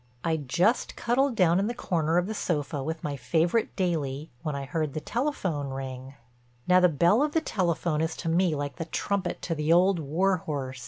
I'd just cuddled down in the corner of the sofa with my favorite daily when I heard the telephone ring. Now the bell of the telephone is to me like the trumpet to the old war horse.